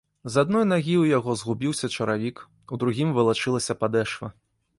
З адной нагі ў яго згубіўся чаравік, у другім валачылася падэшва.